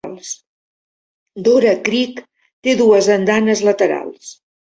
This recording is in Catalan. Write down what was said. Dora Creek té dues andanes laterals.